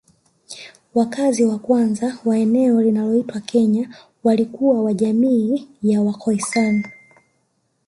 Wakazi wa kwanza wa eneo linaloitwa Kenya walikuwa wa jamii ya Wakhoisan